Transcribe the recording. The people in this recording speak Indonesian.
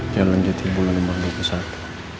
jalan jatim bulu lembaga pusat